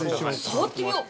◆さわってみよう。